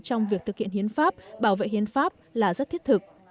trong việc thực hiện hiến pháp bảo vệ hiến pháp là rất thiết thực